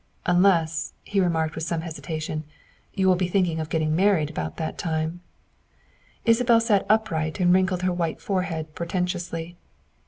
" Unless," he remarked with some hesitation, " you will be thinking of getting married about that time. '' Isabel sat upright and wrinkled her white forehead portentously.